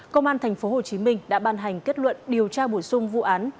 công an tp hcm đã ban hành kết luận điều tra bổ sung vụ án